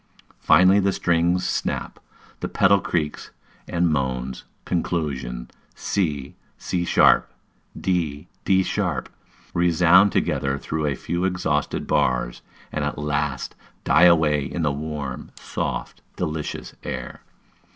Finally, the strings snap, the pedal creaks and moans; conclusion, c, c sharp, d, d sharp resound together through a few exhausted bars, and at last die away in the warm, soft, delicious air.